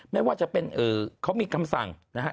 ไม่ว่าจะเป็นเขามีคำสั่งนะฮะ